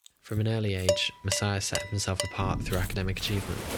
From an early age Masire set himself apart through academic achievement.